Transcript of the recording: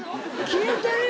消えてるよ！